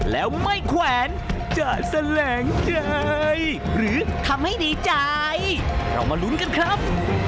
แล้วไม่แขวนจะแสลงใจหรือทำให้ดีใจเรามาลุ้นกันครับ